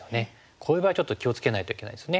こういう場合はちょっと気を付けないといけないですね。